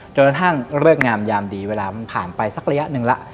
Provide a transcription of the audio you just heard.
กระทั่งเลิกงามยามดีเวลามันผ่านไปสักระยะหนึ่งแล้ว